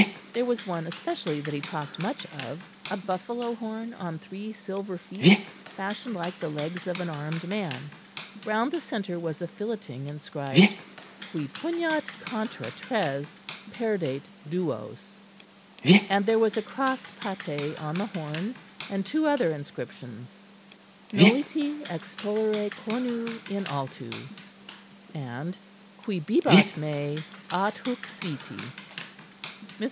There was one especially that he talked much of, a buffalo horn on three silver feet fashioned like the legs of an armed man; round the centre was a filleting inscribed, "Qui pugnat contra tres perdet duos," and there was a cross patée on the horn, and two other inscriptions, "Nolite extollere cornu in altu'" and "Qui bibat me adhuc siti'." Mr.